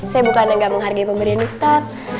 saya bukanlah ga menghargai pemberian ustaz